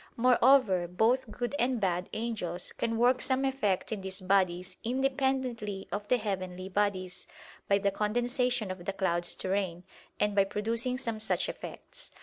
Moreover both good and bad angels can work some effect in these bodies independently of the heavenly bodies, by the condensation of the clouds to rain, and by producing some such effects.